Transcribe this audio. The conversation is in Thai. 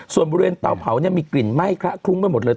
ส่วนบริเวณเตาเผาเนี่ยมีกลิ่นไหม้คละคลุ้งไปหมดเลย